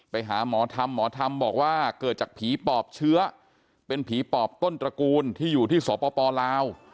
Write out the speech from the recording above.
ไปหาหมอธรรมหมอธรรมบอกว่าเกิดจากผีปอบเชื้อเป็นผีปอบต้นตระกูลที่อยู่ที่สปลาว